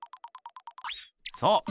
そう！